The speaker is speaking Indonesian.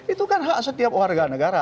itu kan hak setiap warga negara